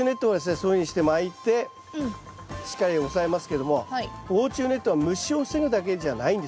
そういうふうにしてまいてしっかり押さえますけども防虫ネットは虫を防ぐだけじゃないんですよ。